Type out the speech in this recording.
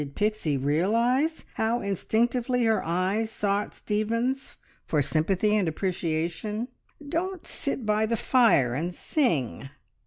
(Did Pixie realise how instinctively her eyes sought Stephen's for sympathy and appreciation?) "Don't sit by the fire and sing."